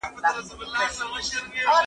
زه به سبا کتابتوننۍ سره وخت تېرووم؟!